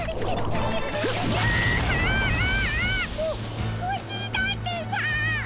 おおしりたんていさん！